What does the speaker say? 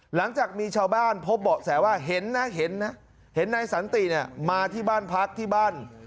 หลังจากมีชาวบ้านพบเบาะแสว่าเห็นนะนายสันติมาที่บ้านพักที่บ้าน